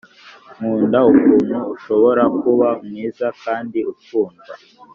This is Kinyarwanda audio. nkunda ukuntu ushobora kuba mwiza kandi ukundwa